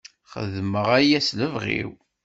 Xedmeɣ aya s lebɣi-w.